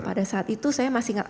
pada saat itu saya masih ingat